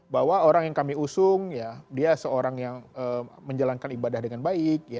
bahwa orang yang kami usung ya dia seorang yang menjalankan ibadah dengan baik